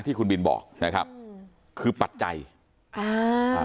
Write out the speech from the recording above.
ที่คุณบินบอกนะครับคือปัจจัยอ่าอ่า